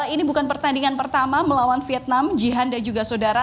ini bukan pertandingan pertama melawan vietnam jihan dan juga saudara